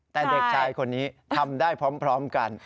แต่เด็กชายคนนี้ทำได้พร้อมกัน